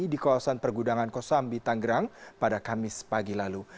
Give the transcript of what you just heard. di kawasan pergudangan kosambi tanggerang pada kamis pagi lalu